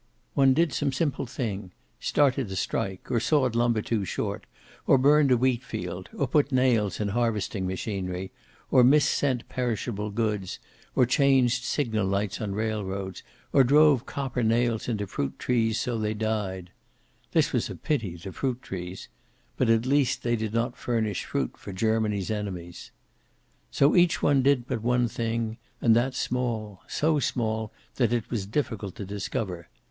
One did some simple thing started a strike, or sawed lumber too short, or burned a wheat field, or put nails in harvesting machinery, or missent perishable goods, or changed signal lights on railroads, or drove copper nails into fruit trees, so they died. This was a pity, the fruit trees. But at least they did not furnish fruit for Germany's enemies. So each one did but one thing, and that small, so small that it was difficult to discover.